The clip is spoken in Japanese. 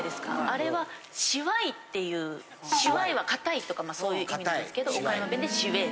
あれは「しわい」っていうしわいはかたいとかそういう意味なんですけど岡山弁で「しうぇ」